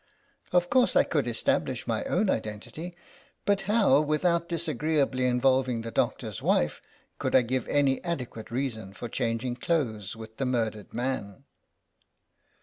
Of course I could establish my own identity; but how, without disagreeably involving the doctor's wife, could I give any adequate reason for a 1 8 THE LOST SANJAK changing clothes with the murdered man?